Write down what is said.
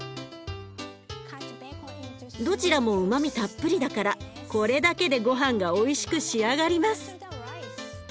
どちらもうまみたっぷりだからこれだけでごはんがおいしく仕上がります。